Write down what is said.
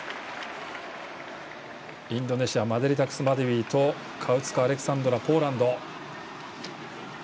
インドネシアマデリタクスマデウィとカウツカ・アレクサンドラポーランド。